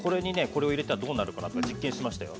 これを入れたらどうなるかなとか実験しましたよ。